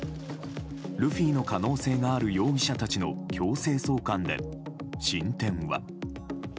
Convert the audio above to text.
ルフィの可能性がある容疑者たちの強制送還で進展は。